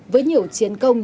với nhiều chiến công